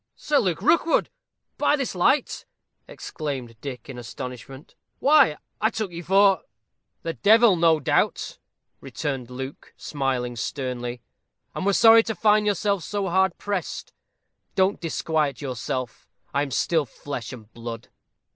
"Sir Luke Rookwood, by this light!" exclaimed Dick, in astonishment. "Why, I took you for " "The devil, no doubt?" returned Luke, smiling sternly, "and were sorry to find yourself so hard pressed. Don't disquiet yourself; I am still flesh and blood."